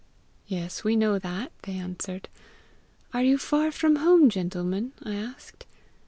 'Yes, we know that,' they answered. 'Are you far from home, gentlemen?' I asked.